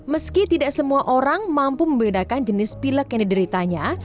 meski tidak semua orang mampu membedakan jenis pilek yang dideritanya